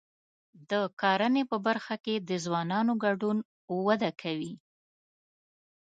د کرنې په برخه کې د ځوانانو ګډون وده کوي.